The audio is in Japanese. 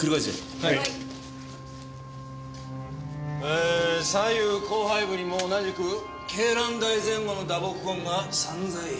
えー左右後背部にも同じく鶏卵大前後の打撲痕が散在。